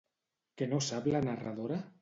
Què no sap la narradora?